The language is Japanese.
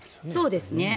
そうですね。